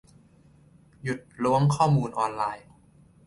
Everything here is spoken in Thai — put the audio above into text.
หยุดล้วงข้อมูลออนไลน์